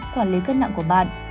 bốn quản lý cân nặng của bạn